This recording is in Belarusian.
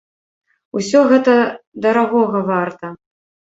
Усё гэта дарагога варта.